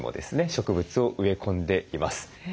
植物を植え込んでいます。